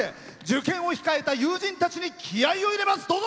受験を控えた友人たちに気合いを入れます。